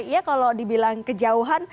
ya kalau dibilang kejauhan